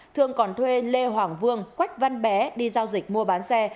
thương còn thuê lê hoàng vương quách văn bé đi giao dịch mua bán xe